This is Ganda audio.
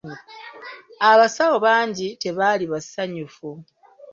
Abasawo bangi tebaali basanyufu.